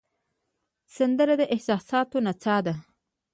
سندره د احساساتو نڅا ده